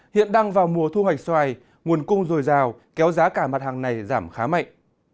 hiện đang vào mùa thu hoạch xoài nguồn cung dồi dào kéo giá cả mặt hàng này giảm khá mạnh